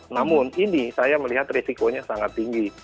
namun ini saya melihat risikonya sangat tinggi